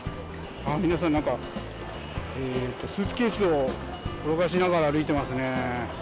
皆さんなんか、スーツケースを転がしながら歩いてますね。